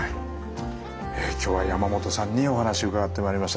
今日は山本さんにお話を伺ってまいりました。